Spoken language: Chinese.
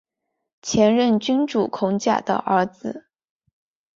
前任君主孔甲的儿子。